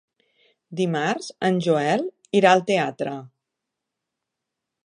Dimarts en Joel irà al teatre.